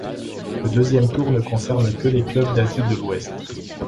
Le deuxième tour ne concerne que les clubs d'Asie de l'Ouest.